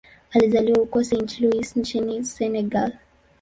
Alizaliwa huko Saint-Louis nchini Senegal.